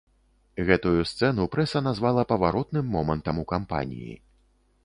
Гэтую сцэну прэса назвала паваротным момантам у кампаніі.